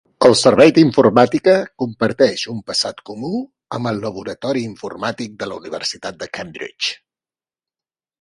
El Servei d'Informàtica comparteix un passat comú amb el Laboratori Informàtic de la Universitat de Cambridge.